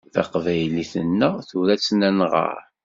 Taqbaylit-nneɣ, tura ad tt-nɣeṛ.